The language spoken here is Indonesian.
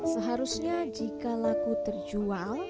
seharusnya jika laku terjual